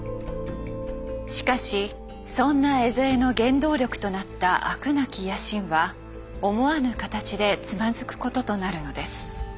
しかしそんな江副の原動力となった飽くなき野心は思わぬ形でつまずくこととなるのです。